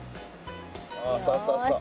おそうそうそう。